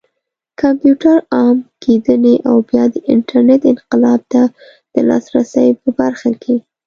کمپيوټر عام کېدنې او بيا د انټرنټ انقلاب ته د لاسرسي په برخه کې